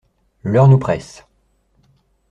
L’heure nous presse !